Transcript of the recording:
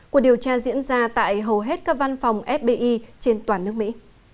cuộc điều tra diễn ra tại hầu hết các văn phòng fbi trên toàn nước mỹ